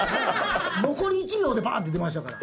残り１秒でバーンって出ましたから。